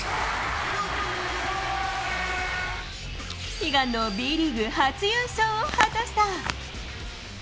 悲願のＢリーグ初優勝を果たした。